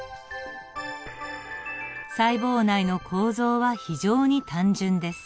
細胞内の構造は非常に単純です。